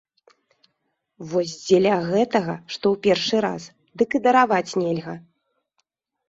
Вось дзеля гэтага, што ў першы раз, дык і дараваць нельга.